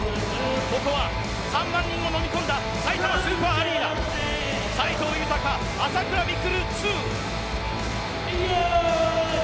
ここは３万人をのみ込んださいたまスーパーアリーナ斎藤裕、朝倉未来